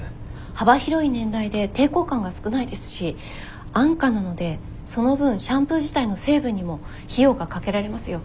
幅広い年代で抵抗感が少ないですし安価なのでその分シャンプー自体の成分にも費用がかけられますよ。